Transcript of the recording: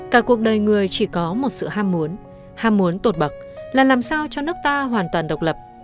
cả cuộc đời người chỉ có một sự ham muốn ham muốn tột bậc là làm sao cho nước ta hoàn toàn độc lập